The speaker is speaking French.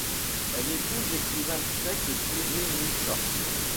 Elle épouse l'écrivain tchèque Jiří Mucha.